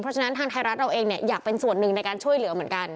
เพราะฉะนั้นทางไทยรัฐเราเองเนี่ยอยากเป็นส่วนหนึ่งในการช่วยเหลือเหมือนกัน